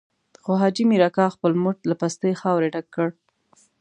خو حاجي مير اکا خپل موټ له پستې خاورې ډک کړ.